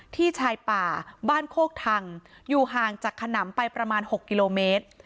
ที่ชายป่าบ้านโคกทังอยู่ห่างจากขนำไปประมาณ๖กิโลเมตร